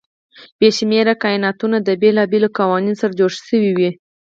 بې شمېره کایناتونه د بېلابېلو قوانینو سره جوړ شوي وي.